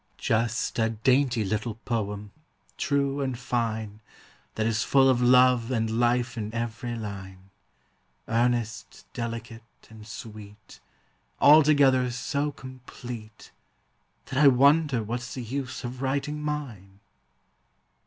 Just a dainty little poem, true and fine, That is full of love and life in every line, Earnest, delicate, and sweet, Altogether so complete That I wonder what's the use of writing mine.